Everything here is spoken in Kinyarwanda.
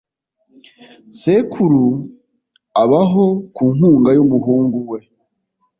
Sekuru abaho ku nkunga y'umuhungu we.